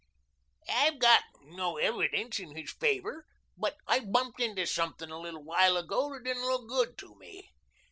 "I've got no evidence in his favor, but I bumped into something a little while ago that didn't look good to me.